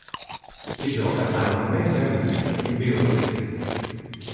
Si gioca annualmente a Minsk in Bielorussia.